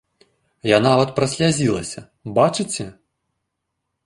Я нават праслязілася, бачыце?